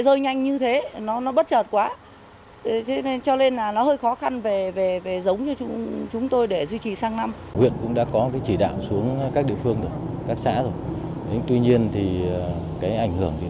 tuy nhiên thì cái ảnh hưởng thì nó cũng gây ra cái ảnh hưởng